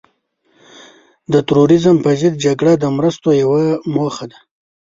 د تروریزم په ضد جګړه د مرستو یوه موخه وه.